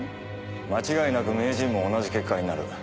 間違いなく名人も同じ結果になる。